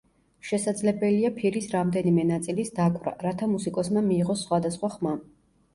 შესაძლებელია ფირის რამდენიმე ნაწილის დაკვრა, რათა მუსიკოსმა მიიღოს სხვადასხვა ხმა.